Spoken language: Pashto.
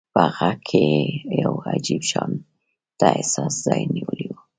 په غږ کې يې يو عجيب شانته احساس ځای نيولی و.